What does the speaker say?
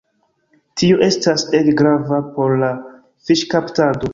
Tio estas ege grava por la fiŝkaptado.